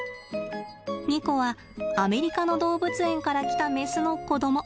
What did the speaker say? ニコはアメリカの動物園から来たメスの子ども。